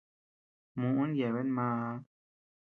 Muʼün yebean maa.